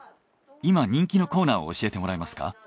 今人気のコーナーを教えてもらえますか？